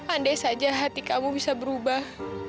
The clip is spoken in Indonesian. andai saja hati kamu bisa berubah